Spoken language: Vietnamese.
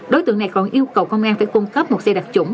đối tượng này còn yêu cầu công an phải cung cấp một xe đặc trủng